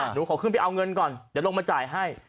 หนูขอขึ้นไปเอาเงินก่อนเดี๋ยวลงมาจ่ายให้